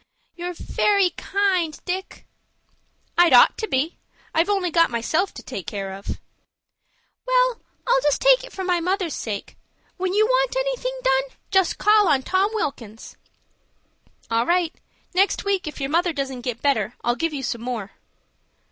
"You're very kind, Dick." "I'd ought to be. I've only got myself to take care of." "Well, I'll take it for my mother's sake. When you want anything done just call on Tom Wilkins." "All right. Next week, if your mother doesn't get better, I'll give you some more."